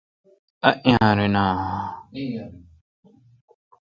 ایّیارینہ